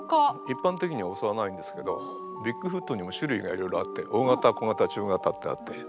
一般的にはおそわないんですけどビッグフットにも種類がいろいろあって大型小型中型ってあって。